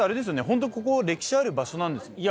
ホントここ歴史ある場所なんですよね？